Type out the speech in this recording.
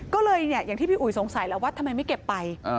ก็เลยอย่างที่พี่อุ๋ยสงสัยแล้วว่าทำไมไม่เก็บไป